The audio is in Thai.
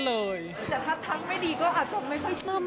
แต่ถ้าทักไม่ดีก็อาจจะไม่ค่อยซึม